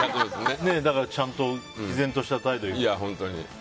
ちゃんと毅然とした態度で。